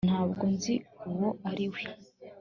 ntabwo nzi uwo ari we